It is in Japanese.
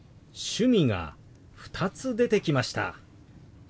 「趣味」が２つ出てきました。